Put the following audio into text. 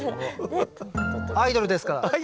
アイドルですから。